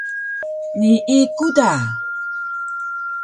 Nii ku da